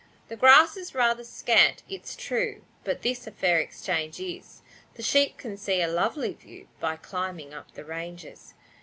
The grass is rather scant, it's true, But this a fair exchange is, The sheep can see a lovely view By climbing up the ranges.